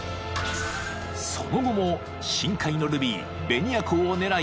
［その後も深海のルビーベニアコウを狙い